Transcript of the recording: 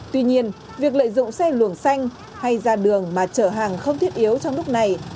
tuy nhiên việc lợi dụng xe luồng xanh hay ra đường mà chở hàng không thiết yếu trong lúc này